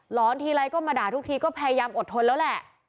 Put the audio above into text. อนทีไรก็มาด่าทุกทีก็พยายามอดทนแล้วแหละ